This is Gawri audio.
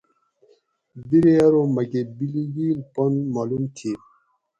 بیرے ارو مکہ بیلیگیل پُن معلوم تھی